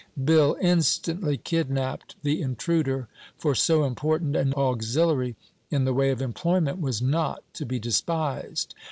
Bill instantly kidnapped the intruder, for so important an auxiliary in the way of employment was not to be despised.